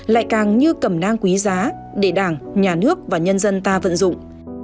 lại càng như cẩm nang quý giá để đảng nhà nước và nhân dân ta vận dụng